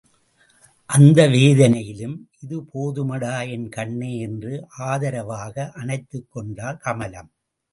அந்த வேதனையிலும், இது போதுமடா என் கண்ணே என்று ஆதரவாக அணைத்துக் கொண்டாள் கமலம்.